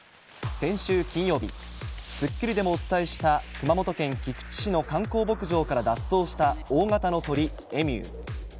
先週金曜日『スッキリ』でもお伝えした熊本県菊池市の観光牧場から脱走した大型の鳥エミュー。